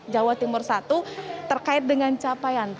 jawa timur satu terkait dengan capaian